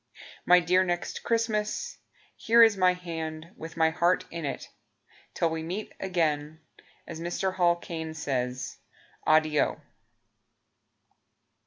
My dear Next Christmas, Here is my hand, With my heart in it. Till we meet again As Mr. Hall Caine says Addio.